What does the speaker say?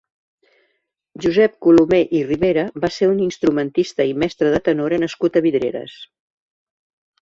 Josep Colomer i Ribera va ser un instrumentista i mestre de tenora nascut a Vidreres.